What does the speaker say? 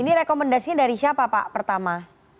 ini rekomendasinya dari siapa pak pertama